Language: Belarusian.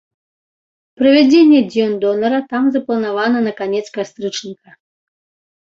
Правядзенне дзён донара там запланавана на канец кастрычніка.